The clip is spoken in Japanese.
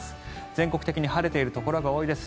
全国的に晴れているところが多いです。